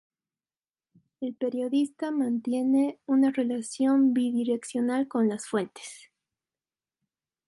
El periodista mantiene una relación bidireccional con las fuentes.